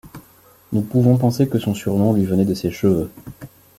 Nous pouvons penser que son surnom lui venait de ses cheveux.